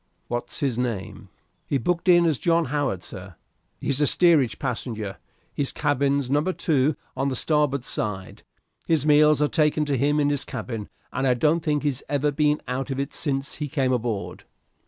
"What's his name?" "He's booked as John Howland, sir. He's a steerage passenger. His cabin's No. 2 on the starboard side. His meals are taken to him in his cabin, and I don't think he's ever been out of it since he came aboard."